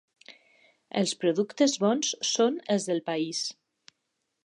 Els productes bons són els del país.